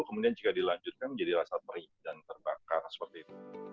kemudian jika dilanjutkan menjadilah saturi dan terbakar seperti itu